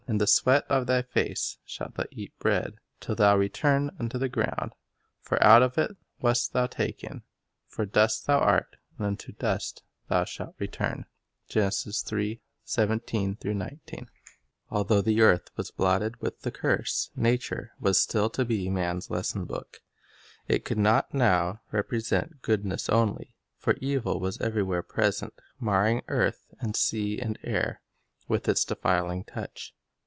In the sweat of thy face shalt thou eat bread, till thou return unto the ground; for out of it wast thou taken ; for dust thou art, and unto dust shalt thou return." 1 Although the earth was blighted with the curse, nature was still to be man's lesson book. It could not now represent goodness only ; for evil was everywhere present, marring earth and sea and air with its defiling touch.